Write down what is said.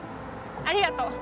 ありがとう。